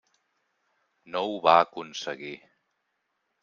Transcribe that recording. No ho va aconseguir.